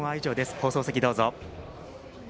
放送席、どうぞ。